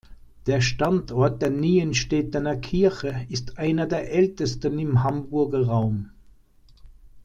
Der Standort der Nienstedtener Kirche ist einer der ältesten im Hamburger Raum.